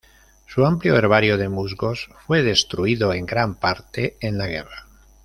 Su amplio herbario de musgos fue destruido en gran parte en la guerra.